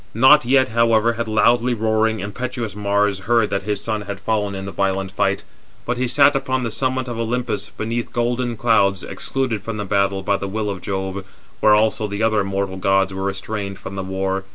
Not yet, however, had loudly roaring, 433 impetuous Mars heard that his son had fallen in the violent fight; but he sat upon the summit of Olympus, beneath golden clouds, excluded [from the battle] by the will of Jove, where also the other immortal gods were restrained from the war.